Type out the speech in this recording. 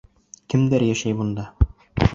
Кемдәр йәшәй бында?